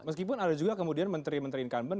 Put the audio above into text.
meskipun ada juga kemudian menteri menteri incumbent